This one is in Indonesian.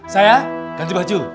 saya ganti baju